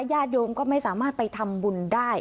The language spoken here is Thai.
ญาติโยมก็ไม่สามารถไปทำบุญได้